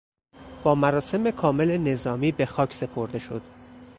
با مراسم کامل نظامی بخاک سپرده شد.